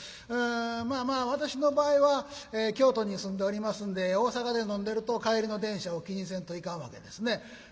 まあまあ私の場合は京都に住んでおりますんで大阪で飲んでると帰りの電車を気にせんといかんわけですね。